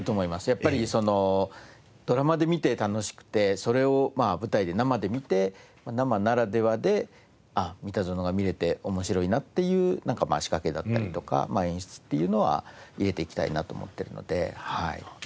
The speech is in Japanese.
やっぱりドラマで見て楽しくてそれを舞台で生で見て生ならではでああ『ミタゾノ』が見られて面白いなっていうなんか仕掛けだったりとか演出っていうのは入れていきたいなと思っているのではい。